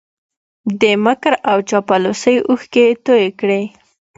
د مکر او چاپلوسۍ اوښکې یې توی کړې